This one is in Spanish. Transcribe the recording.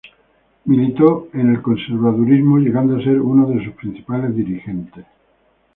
Militó en el conservadurismo, llegando a ser uno de sus principales dirigentes.